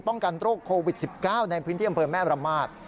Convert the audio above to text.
ป้องกันโรคโควิด๑๙ในพื้นที่อำเภอแม่ระมาท